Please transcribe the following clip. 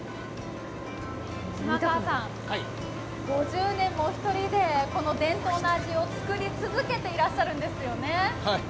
島川さん、５０年もお一人でこの伝統の味を作り続けているんですよね？